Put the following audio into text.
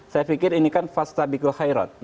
saya pikir ini kan fastabikul khairot